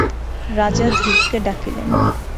রাজা ধ্রুবকে ডাকিলেন।